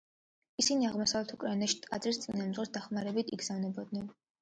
ისინი აღმოსავლეთ უკრაინაში ტაძრის წინამძღვრის დახმარებით იგზავნებოდნენ.